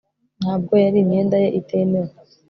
ntabwo yari imyenda ye itemewe